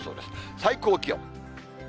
最高気温。